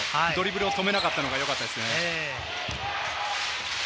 ドリブルを止めなかったのがよかったですね。